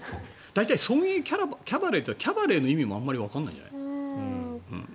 大体村営キャバレーというキャバレーの意味もわからないんじゃない？